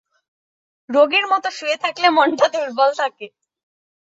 রোগীর মতো শুয়ে থাকলে মনটা দুর্বল থাকে।